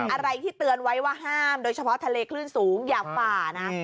อะไรที่เตือนไว้ว่าห้ามโดยเฉพาะทะเลคลื่นสูงอย่าฝ่านะ